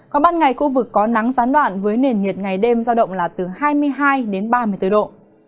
còn ban ngày khu vực có nắng gián đoạn với nền nhiệt ngày đêm giao động là từ hai mươi hai đến ba mươi bốn độ